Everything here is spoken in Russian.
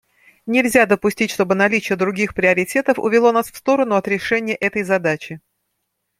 Нельзя допустить, чтобы наличие других приоритетов увело нас в сторону от решения этой задачи.